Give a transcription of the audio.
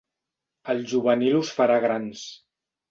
El juvenil us farà grans.